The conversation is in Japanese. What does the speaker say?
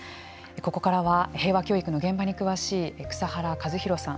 ここからは平和教育の現場に詳しい草原和博さん